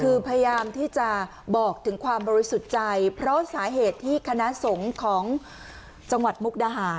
คือพยายามที่จะบอกถึงความบริสุทธิ์ใจเพราะสาเหตุที่คณะสงฆ์ของจังหวัดมุกดาหาร